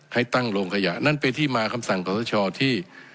ให้ตั้งโรงขยะนั่นเป็นที่มาคำสั่งขอสชที่